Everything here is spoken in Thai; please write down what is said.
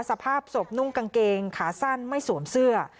สภาพศพนุ่งกางเกงขาสั้นไม่สวมเสื้อ